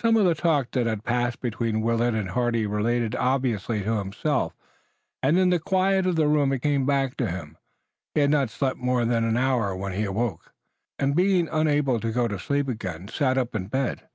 Some of the talk that had passed between Willet and Hardy related obviously to himself, and in the quiet of the room it came back to him. He had not slept more than an hour when he awoke, and, being unable to go to sleep again, sat up in bed.